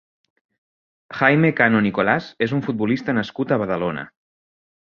Jaime Cano Nicolás és un futbolista nascut a Badalona.